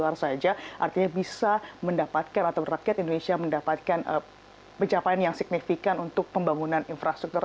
artinya bisa mendapatkan atau rakyat indonesia mendapatkan pencapaian yang signifikan untuk pembangunan infrastruktur